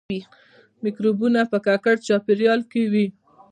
مکروبونه په ککړ چاپیریال کې وي